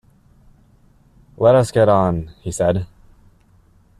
“Let us get on,” he said.